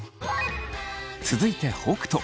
続いて北斗。